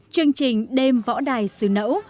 chương trình đêm võ đài sứ nẫu